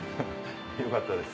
よかったです。